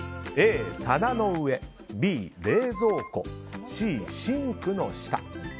Ａ、棚の上Ｂ、冷蔵庫Ｃ、シンクの下。